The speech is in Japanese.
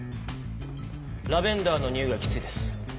ラベンダーのにおいがきついです。